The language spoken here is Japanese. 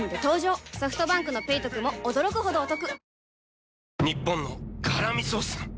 ソフトバンクの「ペイトク」も驚くほどおトク